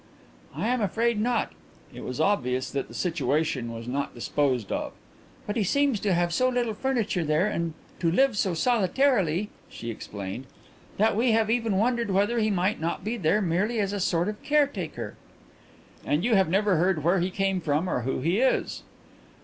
"I am afraid not." It was obvious that the situation was not disposed of. "But he seems to have so little furniture there and to live so solitarily," she explained, "that we have even wondered whether he might not be there merely as a sort of caretaker." "And you have never heard where he came from or who he is?"